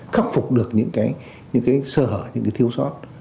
khắc phục được những sơ hở những thiếu sót